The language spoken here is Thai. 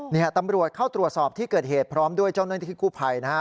เนี่ยตำรวจเข้าตรวจสอบที่เกิดเหตุพร้อมด้วยเจ้าหน้าที่กู้ภัยนะฮะ